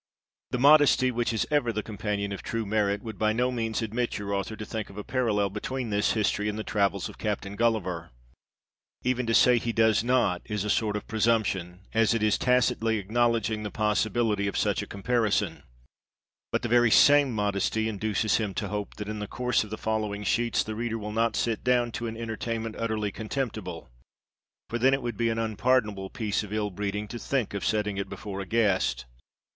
The modesty which is ever the companion of true merit, would by no means admit your author to think of a parallel between this history and the travels of Captain Gulliver. Even to say he does not, is a sort of presumption, as it is tacitly acknowledging the possibility of such a comparison. But the very same modesty induces him to hope, that in the course of the following sheets, the reader will not sit down to an entertainment utterly contemptible, for then it would be an unpardonable piece of ill breeding to think of setting it before a guest.